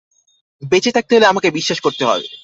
বেঁচে থাকতে হলে আমাকে বিশ্বাস করতে হবে।